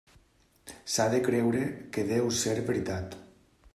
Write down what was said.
S'ha de creure, que deu ser veritat.